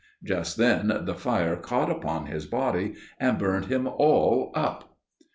Just then the fire caught upon his body and burnt him all up.